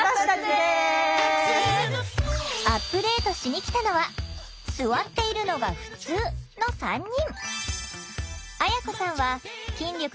アップデートしに来たのは「座っているのがふつう」の３人。